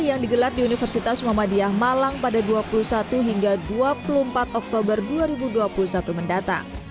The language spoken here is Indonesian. yang digelar di universitas muhammadiyah malang pada dua puluh satu hingga dua puluh empat oktober dua ribu dua puluh satu mendatang